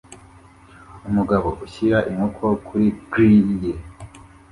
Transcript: Umugabo ushyira inkoko kuri grill ye